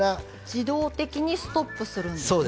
自動的にストップするんですね。